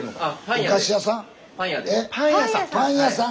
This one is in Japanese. お菓子屋さん？